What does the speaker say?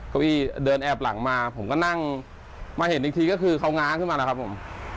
เก้าอี้เดินแอบหลังมาผมก็นั่งมาเห็นอีกทีก็คือเขาง้างขึ้นมานะครับผม